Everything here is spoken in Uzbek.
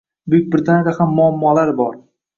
Buyuk Britaniyada ham muammolar bor.